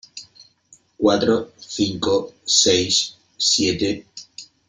cuatro , cinco , seis , siete